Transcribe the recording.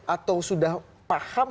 atau sudah paham